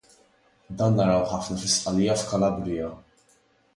Dan narawh ħafna fi Sqallija u f'Calabria.